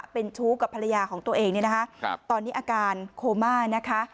เป็นชู้กับภรรยาของตัวเองเนี่ยนะคะตอนนี้อาการโคม่านะคะ